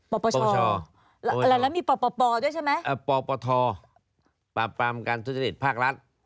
ปปชอะไรแล้วมีปปด้วยใช่ไหมปปทปราบปรามการทุจริตภาครัฐ